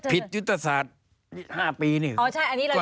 ผิดยุตศาสตร์๕ปีนี่